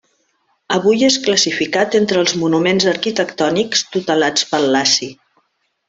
Avui és classificat entre els monuments arquitectònics tutelats pel Laci.